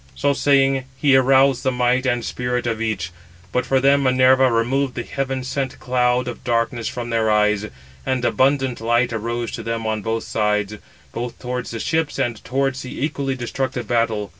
So saying, he aroused the might and spirit of each. But for them Minerva removed the heaven sent cloud of darkness from their eyes; and abundant light arose to them on both sides, both towards the ships and towards the equally destructive battle.